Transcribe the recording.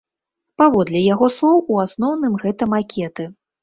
Паводле яго слоў, у асноўным гэта макеты.